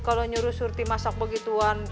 kalau nyuruh surti masak begituan